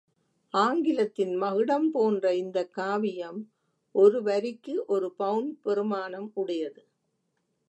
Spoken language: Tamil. ஆங்கிலத்தின் மகுடம் போன்ற இந்தக் காவியம் ஒருவரிக்கு ஒரு பவுன் பெறுமானம் உடையது.